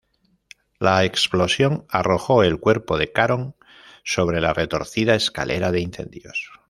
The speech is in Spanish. La explosión arrojó el cuerpo de Caron sobre la retorcida escalera de incendios.